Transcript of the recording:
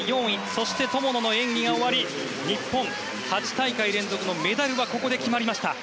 そして友野の演技が終わり日本、８大会連続のメダルはここで決まりました。